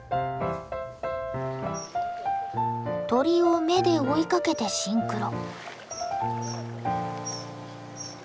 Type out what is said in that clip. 鳥を目で追いかけてシンクロ。